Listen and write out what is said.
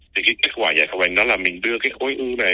thì cái kết quả giải phục bệnh đó là mình đưa cái khối u này